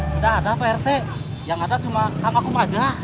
tidak ada pak rt yang ada cuma kang akum saja